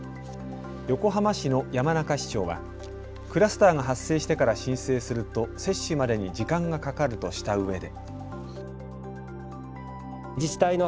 横浜市の山中市長はクラスターが発生してから申請すると接種までに時間がかかるとしたうえで。